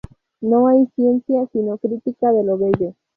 No hay ciencia sino crítica de lo bello.